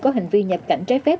có hành vi nhập cảnh trái phép